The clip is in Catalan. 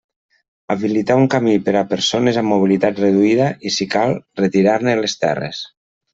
Habilitar un camí per a persones amb mobilitat reduïda, i, si cal, retirar-ne les terres.